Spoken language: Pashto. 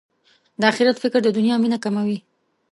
د اخرت فکر د دنیا مینه کموي.